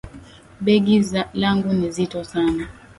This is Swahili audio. Begi langu ni zito sana